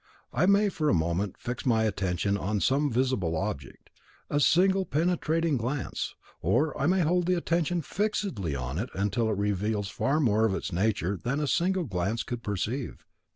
I may for a moment fix my attention on some visible object, in a single penetrating glance, or I may hold the attention fixedly on it until it reveals far more of its nature than a single glance could perceive.